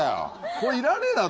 これいらねえだろ